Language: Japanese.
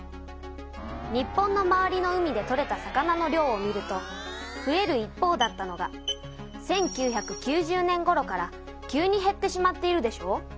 日本の周りの海で取れた魚の量を見るとふえる一方だったのが１９９０年ごろから急にへってしまっているでしょう。